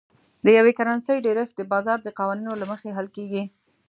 د یوې کرنسۍ ډېرښت د بازار د قوانینو له مخې حل کیږي.